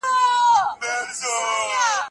چي مي جانان مجلس له چا سره کوینه